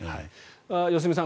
良純さん